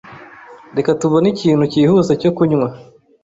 Reka tubone ikintu cyihuse cyo kunywa.